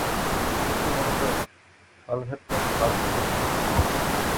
অনেকে মনে করেন পালঘাট নামটি 'পাল' শব্দটি থেকে এসেছে।